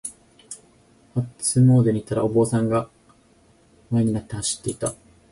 初詣に行ったら、お坊さんが輪になって走っていた。